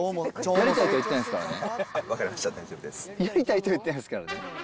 やりたいとは言ってないですからね。